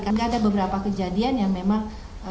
karena ada beberapa kejadian yang memang